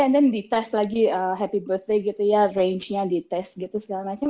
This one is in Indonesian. and then di test lagi happy birthday gitu ya rangenya di test gitu segala macam